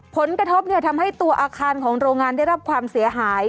ผลกระทบทำให้ตัวอาคารของโรงงานได้รับความเสียหาย